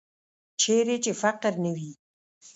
چیرې چې فقر نه وي.